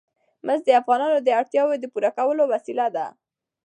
مس د افغانانو د اړتیاوو د پوره کولو وسیله ده.